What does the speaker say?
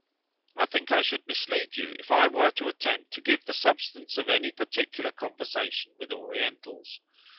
I think I should mislead you if I were to attempt to give the substance of any particular conversation with Orientals.